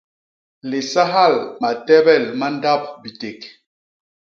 Lisahal matebel ma ndap biték.